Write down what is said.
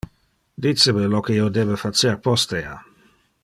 Dice me lo que io debe facer postea.